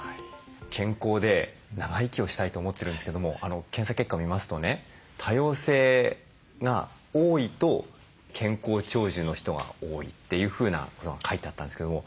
健康で長生きをしたいと思ってるんですけども検査結果を見ますとね多様性が多いと健康長寿の人が多いというふうなことが書いてあったんですけども。